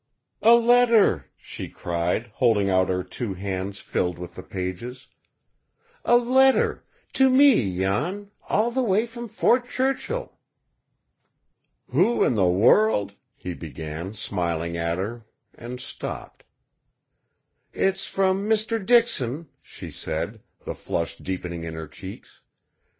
"A letter!" she cried, holding out her two hands filled with the pages. "A letter to me, Jan, all the way from Fort Churchill!" "Who in the world " he began, smiling at her; and stopped. "It's from Mr. Dixon," she said, the flush deepening in her cheeks.